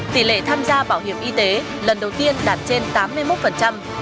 tỷ lệ tham gia bảo hiểm y tế lần đầu tiên đạt trên tám mươi một